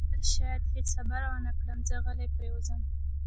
ما وویل: شاید هیڅ خبرې ونه کړم، زه غلی پرېوځم.